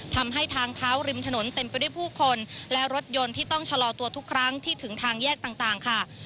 ทำให้ทางเท้าริมถนนเต็มไปด้วยผู้คนและรถยนต์ที่ต้องชะลอตัวทุกครั้งที่ถึงทางแยกต่างค่ะ